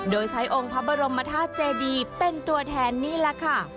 โดยใช้องค์พระบรมธาตุเจดีเป็นตัวแทนนี่แหละค่ะ